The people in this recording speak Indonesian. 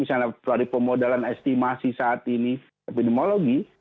misalnya dari pemodalan estimasi saat ini epidemiologi